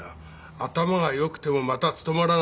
頭がよくてもまた務まらないの。